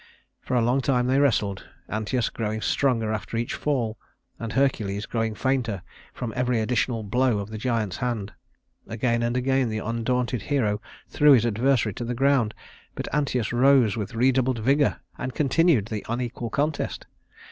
For a long time they wrestled, Anteus growing stronger after each fall, and Hercules growing fainter from every additional blow of the giant's hand. Again and again the undaunted hero threw his adversary to the ground, but Anteus rose with redoubled vigor and continued the unequal contest.